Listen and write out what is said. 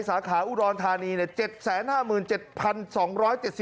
สาขาอุดรณฑานีเนี่ย